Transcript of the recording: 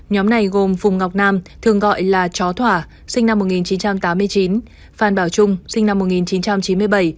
nhóm này gồm phùng ngọc nam thường gọi là chó thỏa sinh năm một nghìn chín trăm tám mươi chín phan bảo trung sinh năm một nghìn chín trăm chín mươi bảy